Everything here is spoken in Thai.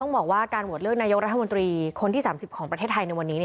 บอกว่าการโหวตเลือกนายกรัฐมนตรีคนที่๓๐ของประเทศไทยในวันนี้